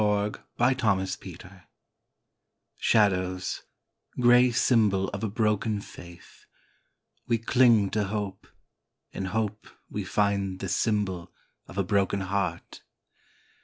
DAY DREAMS SHADOWS Shadows — gray symbol of a broken faith. We cling to hope — in hope we find The symbol of a broken heart.